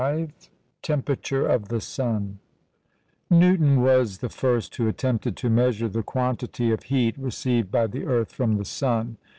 ] CHAPTER V TEMPERATURE OF THE SUN Newton was the first who attempted to measure the quantity of heat received by the earth from the sun.